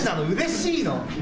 うれしいの？